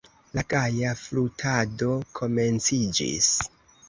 La gaja flutado komenciĝis.